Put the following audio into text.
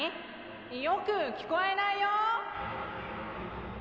よく聞こえないよ